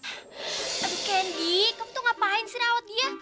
aduh candy kamu tuh ngapain sih rawat dia